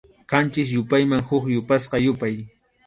Qanchis yupayman huk yapasqa yupay.